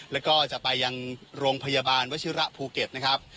แล้วก็จะไปยังโรงพยาบาลวชิระภูเก็ตนะครับ